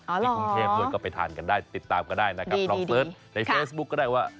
ที่กรุงเทพด้วยก็ไปทานกันได้ติดตามก็ได้นะครับลองเสิร์ชในเฟซบุ๊คก็ได้ว่า